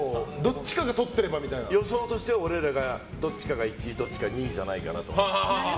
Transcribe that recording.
予想としてはどっちかが１位どっちか２位じゃないかなと。